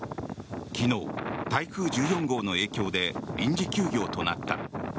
昨日、台風１４号の影響で臨時休業となった。